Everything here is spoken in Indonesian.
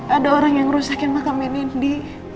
ada orang yang rusakin makamnya nindi